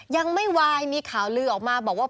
ยังไม่วายมีข่าวลือออกมาบอกว่า